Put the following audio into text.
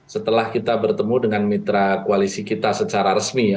setelah kita bertemu dengan mitra koalisi kita secara resmi ya